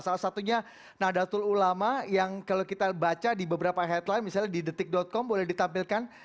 salah satunya nadatul ulama yang kalau kita baca di beberapa headline misalnya di detik com boleh ditampilkan